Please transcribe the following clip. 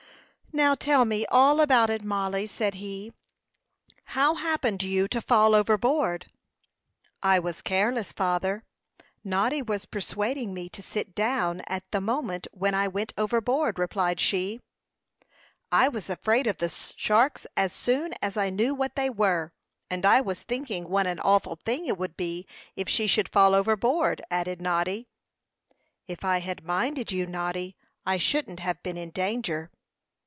"Now tell me all about it, Mollie," said he. "How happened you to fall overboard?" "I was careless, father. Noddy was persuading me to sit down at the moment when I went overboard," replied she. "I was afraid of the sharks as soon as I knew what they were; and I was thinking what an awful thing it would be if she should fall overboard," added Noddy. "If I had minded you, Noddy, I shouldn't have been in danger."